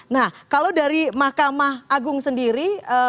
nah kalau dari mahkamah agung sendiri